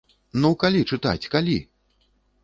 Ну, калі чытаць, калі?!